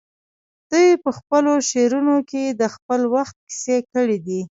دوی په خپلو شعرونو کې د خپل وخت کیسې کړي دي